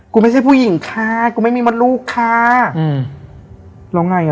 ไม่ใช่ผู้หญิงค่ะกูไม่มีมดลูกค่ะอืมแล้วไงอ่ะ